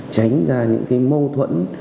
tránh ra những mâu thuẫn